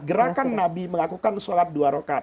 gerakan nabi melakukan sholat dua rokad